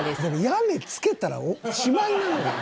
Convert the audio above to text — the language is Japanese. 屋根付けたらしまいなんよ。